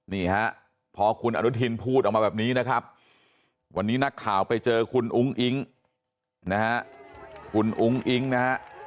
นี่ฮะพอคุณอนุทินพูดออกมาแบบนี้นะครับวันนี้นักข่าวไปเจอคุณอุ้งอิ๊งนะฮะ